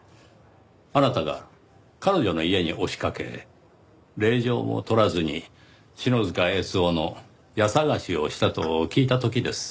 あなたが彼女の家に押しかけ令状も取らずに篠塚悦雄の家捜しをしたと聞いた時です。